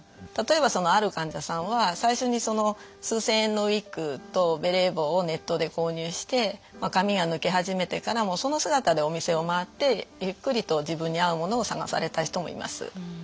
例えばそのある患者さんは最初にその数千円のウイッグとベレー帽をネットで購入して髪が抜け始めてからその姿でお店を回ってゆっくりと自分に合うものを探された人もいます。